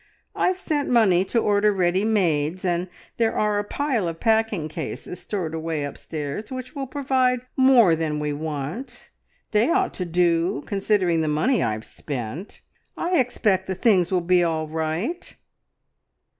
I've sent money to order ready mades, and there are a pile of packing cases stored away upstairs which will provide more than we want. They ought to do, considering the money I've spent! I expect the things will be all right."